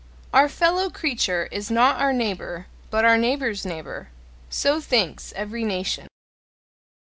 "Our fellow creature is not our neighbour, but our neighbour's neighbour": so thinks every nation.